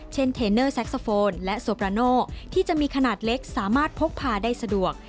เทนเนอร์แซ็กโซโฟนและโซปราโนที่จะมีขนาดเล็กสามารถพกพาได้สะดวก